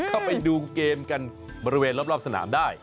เข้าไปดูเกมกันบริเวณรอบสนามได้